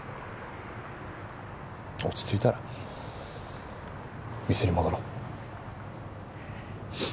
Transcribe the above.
落ち着いたら店に戻ろう。